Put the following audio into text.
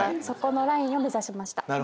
そこのラインを目指しました。